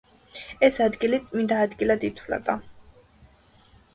ეს ადგილი წმინდა ადგილად ითვლება.